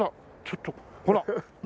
ちょっとほら。